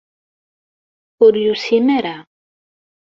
Ur yusim ara.